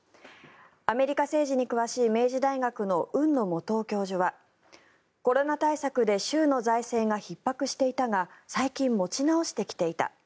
アメリカ政治に詳しい明治大学の海野素央教授はコロナ対策で州の財政がひっ迫していたが最近、持ち直してきていた